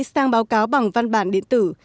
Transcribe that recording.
sang báo cáo bằng văn bản điện tử